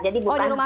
jadi bukan phk